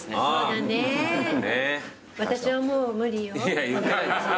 いや言ってないでしょ。